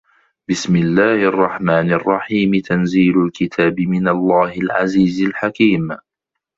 بِسمِ اللَّهِ الرَّحمنِ الرَّحيمِ تَنزيلُ الكِتابِ مِنَ اللَّهِ العَزيزِ الحَكيمِ